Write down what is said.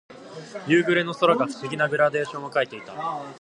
夕暮れの空が不思議なグラデーションを描いていた。